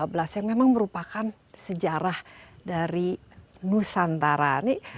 abad ke dua belas yang memang merupakan sejarah dari nusantara